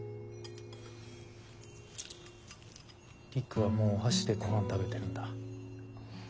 璃久はもうお箸でごはん食べてるんだ。